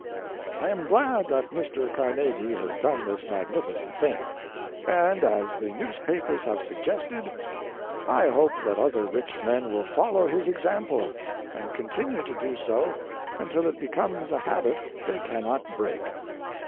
"I am glad that Mr. Carnegie has done this magnificent thing, and as the newspapers have suggested, I hope that other rich men will follow his example and continue to do so until it becomes a habit they cannot break."